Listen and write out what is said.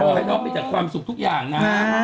พอให้พี่น้องไปจะความสุขทุกอย่างนะ